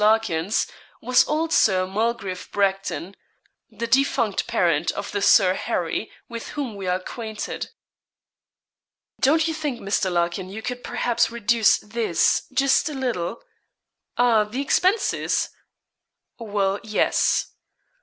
Larkin's, was old Sir Mulgrave Bracton the defunct parent of the Sir Harry, with whom we are acquainted. 'Don't you think, Mr. Larkin, you could perhaps reduce this, just a little?' 'Ah, the expenses?' 'Well, yes.'